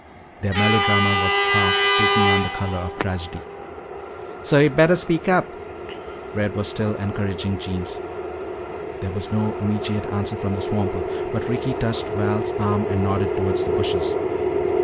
Their melodrama was fast taking on the color of tragedy. "So yuh better speak up." Red was still encouraging Jeems. There was no immediate answer from the swamper, but Ricky touched Val's arm and nodded toward the bushes.